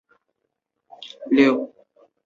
乌尔齐尼的名称源于建立城市的科尔基斯人。